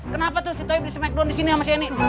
kenapa tuh si toy ber smackdown disini sama shani